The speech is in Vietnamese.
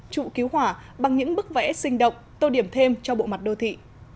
trụ cứu hỏa bằng những bức vẽ sinh động tô điểm thêm cho bộ mặt đô thị